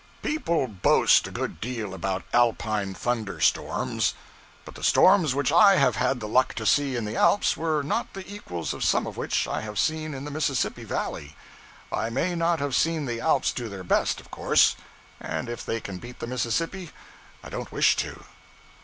People boast a good deal about Alpine thunderstorms; but the storms which I have had the luck to see in the Alps were not the equals of some which I have seen in the Mississippi Valley. I may not have seen the Alps do their best, of course, and if they can beat the Mississippi, I don't wish to.